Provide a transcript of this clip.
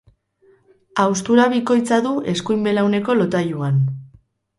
Haustura bikoitza du eskuin belauneko lotailuan.